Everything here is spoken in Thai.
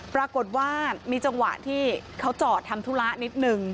ปรากฏว่ามีจังหวะที่เขาจอดทำธุระนิดนึง